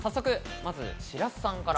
まず白洲さんから。